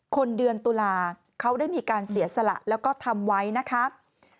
คนเดือนตุลาเขาได้มีการเสียสละแล้วก็ทำไว้นะครับ